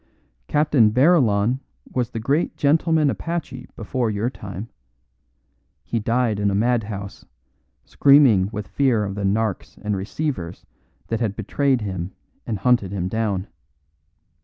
Captain Barillon was the great gentleman apache before your time; he died in a madhouse, screaming with fear of the "narks" and receivers that had betrayed him and hunted him down.